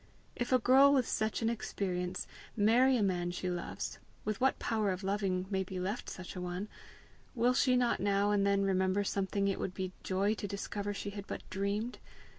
If a girl with such an experience marry a man she loves with what power of loving may be left such a one will she not now and then remember something it would be joy to discover she had but dreamed?